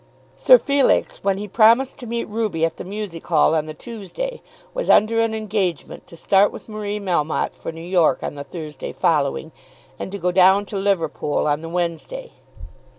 Sir Felix, when he promised to meet Ruby at the Music Hall on the Tuesday, was under an engagement to start with Marie Melmotte for New York on the Thursday following, and to go down to Liverpool on the Wednesday.